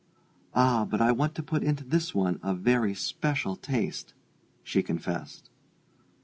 "Ah, but I want to put into this one a very special taste," she confessed.